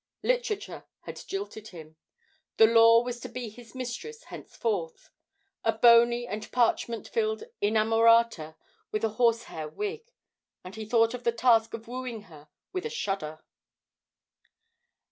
Literature had jilted him. The Law was to be his mistress henceforth: a bony and parchment faced innamorata, with a horsehair wig; and he thought of the task of wooing her with a shudder.